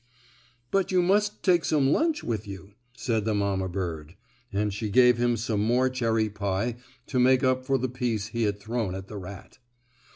"But you must take some lunch with you," said the mamma bird, and she gave him some more cherry pie to make up for the piece he had thrown at the rat.